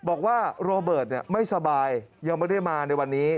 บอกว่าโรเบิร์ตไม่สบายยังไม่ได้มาในวันนี้